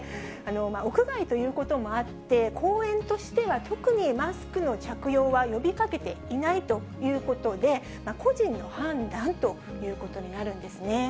屋外ということもあって、公園としては特にマスクの着用は呼びかけていないということで、個人の判断ということになるんですね。